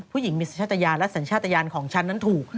ผู้หญิงมีสัญชาติยานและสัญชาติยานของฉันนั้นถูก